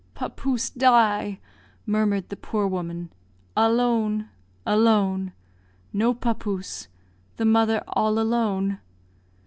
"Papouse die," murmured the poor woman; "alone alone! No papouse; the mother all alone."